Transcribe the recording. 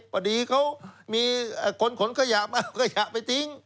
พอดีเขามีคนขนขยะมาเอาขยะไปทิ้ง